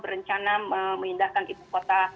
rencana memindahkan ibu kota